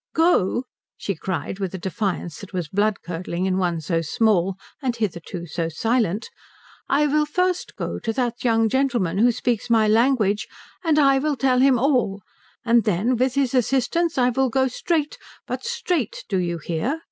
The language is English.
"Go?" she cried, with a defiance that was blood curdling in one so small and hitherto so silent, "I will first go to that young gentleman who speaks my language and I will tell him all, and then, with his assistance, I will go straight but straight, do you hear?"